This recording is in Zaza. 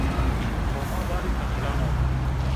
Homa barê feqîran o